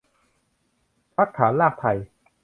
พรรคฐานรากไทย